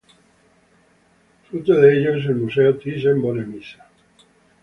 Fruto de ello es el Museo Thyssen-Bornemisza.